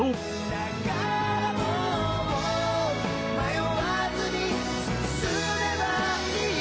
「だからもう迷わずに進めばいい」